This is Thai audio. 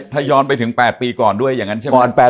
ถ้าย้อนไปถึง๘ปีก่อนด้วยอย่างนั้นใช่ไหม